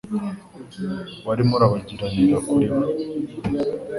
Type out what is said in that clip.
warimo urabagiranira kuri bo.